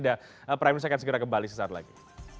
dan prime minister akan segera kembali sesaat lagi